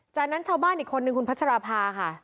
จากนั้นชาวบ้านอีกคนนึงคุณพัชราภาค่ะ